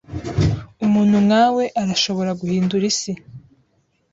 Umuntu nkawe arashobora guhindura isi.